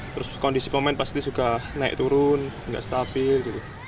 terus kondisi pemain pasti juga naik turun nggak stabil gitu